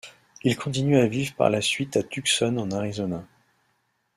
Il continue à vivre par la suite à Tucson en Arizona.